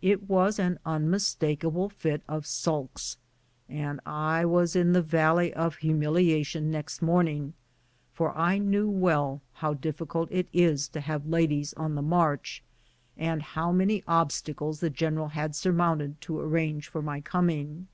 It was an unmistakable fit of sulks, and I was in the valley of humiliation next morning, for I knew well how difficult it is to have ladies on the march, and how many obstacles the general had surmounted to arrange for my coming.